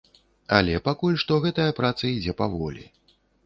Але пакуль што гэтая праца ідзе паволі.